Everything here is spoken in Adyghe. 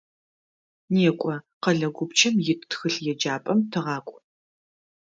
НекӀо, къэлэ гупчэм ит тхылъеджапӏэм тыгъакӀу.